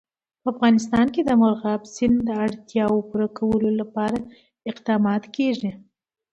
په افغانستان کې د مورغاب سیند د اړتیاوو پوره کولو لپاره اقدامات کېږي.